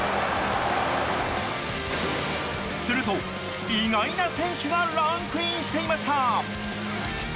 すると、意外な選手がランクインしていました。